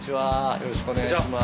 よろしくお願いします。